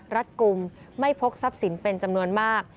รัฐกลุ่มไม่พกทรัพย์สินเป็นจำนวนมาก